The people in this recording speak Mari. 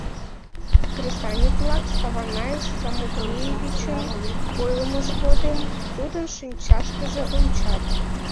Кресаньык-влак Саванай Самукеевичын ойлымыж годым тудын шинчашкыже ончат.